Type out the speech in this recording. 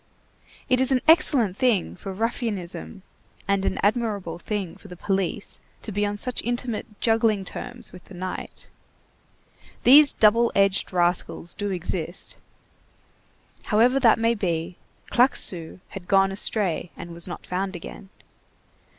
It is an excellent thing for ruffianism and an admirable thing for the police to be on such intimate juggling terms with the night. These double edged rascals do exist. However that may be, Claquesous had gone astray and was not found again.